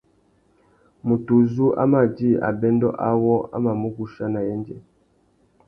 Mutu uzu a mà djï abêndô awô a mà mù guchia nà yendzê.